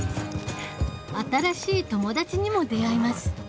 新しい友達にも出会います